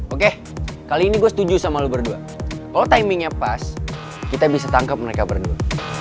oke kali ini gue setuju sama lo berdua kalau timingnya pas kita bisa tangkap mereka berdua